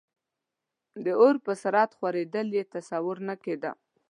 د اور په سرعت خورېدل یې تصور نه کېده.